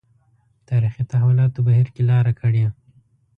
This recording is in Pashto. تاریخي تحولاتو بهیر کې لاره کړې.